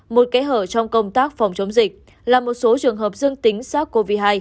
một kẽ hở trong công tác phòng chống dịch là một số trường hợp dương tính sars cov hai